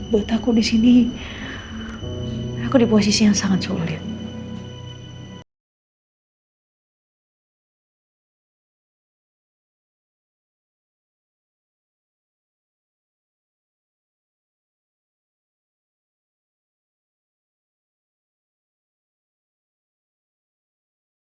buat aku disini aku di posisi yang sangat sulit